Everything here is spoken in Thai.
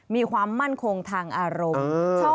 มีความมั่นคงทางอารมณ์